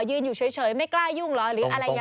อยู่เฉยไม่กล้ายุ่งเหรอหรืออะไรยังไง